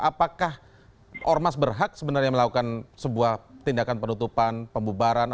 apakah ormas berhak sebenarnya melakukan sebuah tindakan penutupan pembubaran